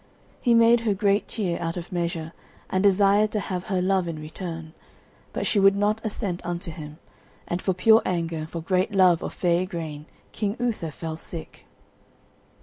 He made her great cheer out of measure, and desired to have her love in return; but she would not assent unto him, and for pure anger and for great love of fair Igraine King Uther fell sick.